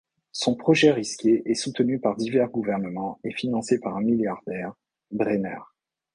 Son projet risqué est soutenu par divers gouvernements et financé par un milliardaire, Brenner.